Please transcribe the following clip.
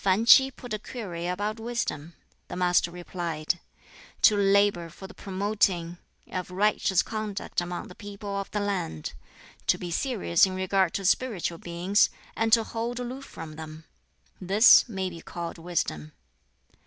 Fan Ch'i put a query about wisdom. The Master replied, "To labor for the promoting of righteous conduct among the people of the land; to be serious in regard to spiritual beings, and to hold aloof from them; this may be called wisdom."